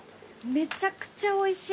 めちゃくちゃおいしい。